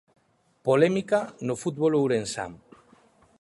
Polémica no fútbol ourensán.